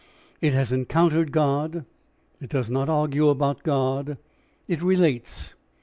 It has encountered God. It does not argue about God; it relates.